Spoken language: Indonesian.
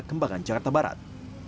kembangan jakarta barat